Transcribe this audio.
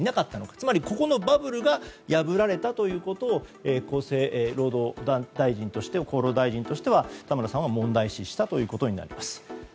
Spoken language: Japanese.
つまりここのバブルが破られたということを厚労大臣として田村さんは問題視したということになります。